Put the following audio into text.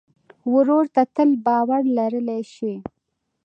ورور ته تل باور لرلی شې.